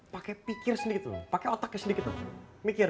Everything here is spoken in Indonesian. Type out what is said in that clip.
pake pikir sedikit lho pake otaknya sedikit lho